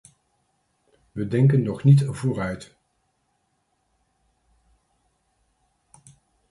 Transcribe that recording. We denken nog niet vooruit.